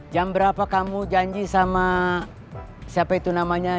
jam berapa kamu janji sama siapa itu namanya